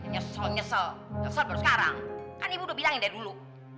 nyesel nyesel nyesel baru sekarang kan ibu udah bilang yang dari dulu